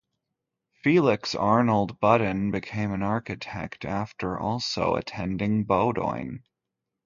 Felix Arnold Buton became an architect after also attending Bowdoin.